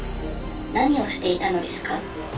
何をしていたのですか？